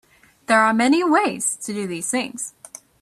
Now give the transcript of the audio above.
There are many ways to do these things.